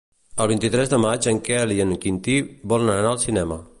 El vint-i-tres de maig en Quel i en Quintí volen anar al cinema.